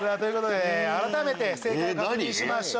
改めて正解確認しましょう。